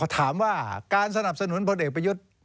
ถามว่าการสนับสนุนพลเอกประยุทธ์